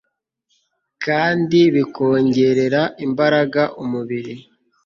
kandi bikongerera imbaraga umubiri